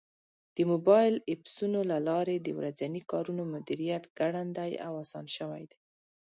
د موبایل ایپسونو له لارې د ورځني کارونو مدیریت ګړندی او اسان شوی دی.